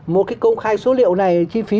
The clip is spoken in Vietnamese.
một cái công khai số liệu này chi phí